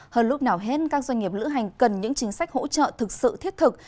hơn lúc nào hết các doanh nghiệp lữ hành cần những chính sách hỗ trợ thực sự thiết thực